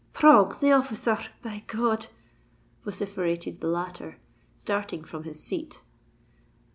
"Proggs, the officer r—by God!" vociferated the latter, starting from his seat.